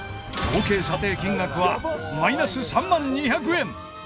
合計査定金額はマイナス３万２００円。